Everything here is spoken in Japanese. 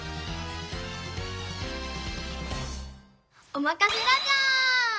おまかせラジャー！